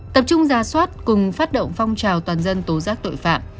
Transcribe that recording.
tập trung ra soát cùng phát động phong trào toàn dân tố giác tội phạm